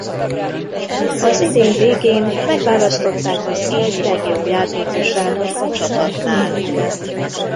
Az idény végén megválasztották az év legjobb játékosának a csapatnál.